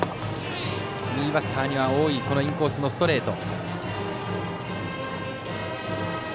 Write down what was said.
右バッターには多いインコースのストレート。